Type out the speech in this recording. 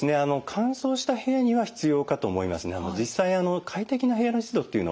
乾燥した部屋には必要かと思います。